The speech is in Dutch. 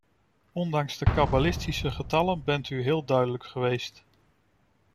Ondanks de kabbalistische getallen bent u heel duidelijk geweest.